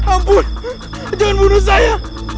ampun jangan bunuh saya